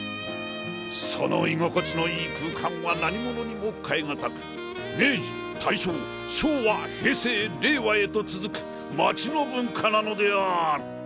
その居心地のいい空間は何モノにも代え難く明治大正昭和平成令和へと続く町の文化なのである。